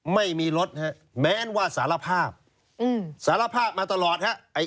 ไม่มีลด